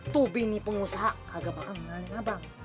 tuh bini pengusaha kagak bakal ngenalin abang